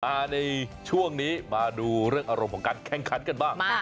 ในช่วงนี้มาดูเรื่องอารมณ์ของการแข่งขันกันบ้าง